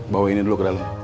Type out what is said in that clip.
bawa ini dulu ke dalam